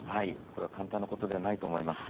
これは簡単なことではないと思います。